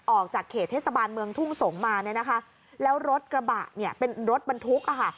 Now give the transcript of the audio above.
ออกจากเขตเทศบาลเมืองทุ่งสงศ์มาเนี่ยนะคะแล้วรถกระบะเนี่ยเป็นรถบรรทุกอ่ะค่ะ